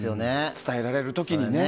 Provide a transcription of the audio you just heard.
伝えられる時にね。